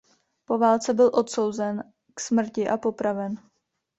Po válce byl odsouzen k smrti a popraven.